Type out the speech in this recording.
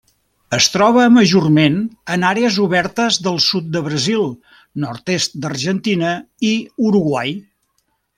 Es troba majorment en àrees obertes del sud de Brasil, nord-est de l'Argentina i Uruguai.